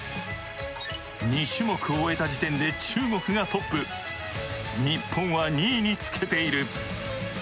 ２種目終えた時点で中国がトップ、日本は２位につけている。